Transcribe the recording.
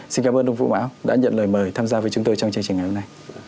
xin cảm ơn ông vũ mão đã nhận lời mời tham gia với chúng tôi trong chương trình ngày hôm nay